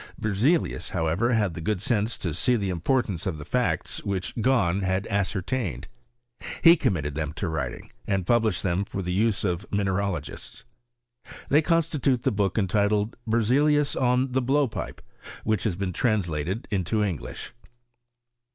Berzelius, however, had the good sense to see the importance of the facts which Gabn had ascertained. He committed them to writing, and published them for the use of mineralogists. They constitute the book entitled " Berzelius on the Blowpipe," wtiicii has been translated into English.